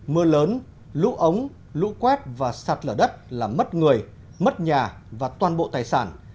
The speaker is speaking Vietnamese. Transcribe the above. mưa lớn lũ ống lũ quét và sạt lở đất làm mất người mất nhà và toàn bộ tài sản